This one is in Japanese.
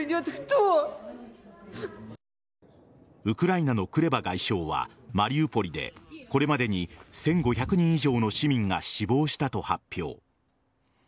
ウクライナのクレバ外相はマリウポリでこれまでに１５００人以上の市民が死亡したと発表。